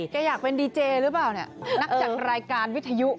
อยากเป็นดีเจหรือเปล่าเนี่ยนักจัดรายการวิทยุ